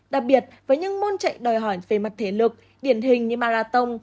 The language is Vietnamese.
đặc biệt với những môn chạy đòi hỏi về mặt thể lực điển hình như marathon